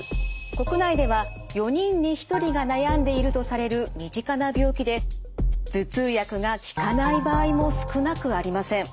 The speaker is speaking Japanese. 国内では４人に１人が悩んでいるとされる身近な病気で頭痛薬が効かない場合も少なくありません。